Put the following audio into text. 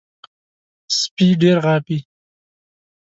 سپي ډېر غاپي .